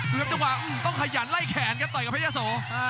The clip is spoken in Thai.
ครับจังหวะต้องขยันไล่แขนครับต่อยกับพระยาโส